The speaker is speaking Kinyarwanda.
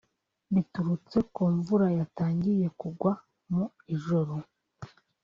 biturutse ku mvura yatangiye kugwa mu ijoro